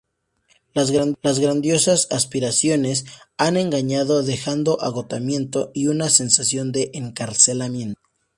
Las grandiosas aspiraciones han engañado, dejando agotamiento y una sensación de encarcelamiento.